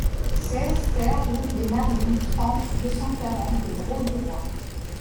seize TER route des Marines, trente, deux cent quarante, Le Grau-du-Roi